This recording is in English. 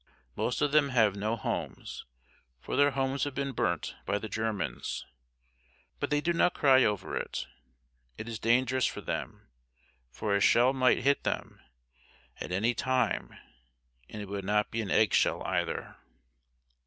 Most of them have no homes, for their houses have been burnt by the Germans; but they do not cry over it. It is dangerous for them, for a shell might hit them at any time and it would not be an eggshell, either.